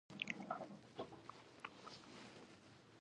یو سل او یو ویشتمه پوښتنه د سفریې په اړه ده.